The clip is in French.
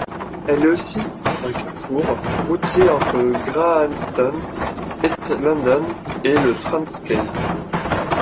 Elle est aussi un carrefour routier entre Grahamstown, East London et le Transkei.